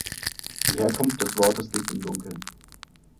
Die Herkunft des Wortes liegt im Dunkeln.